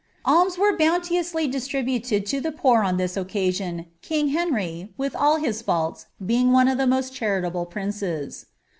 Alms were bounteously distributed to the poor on this occasion, king Henryf with all his faults, being one of the most charitable of princes.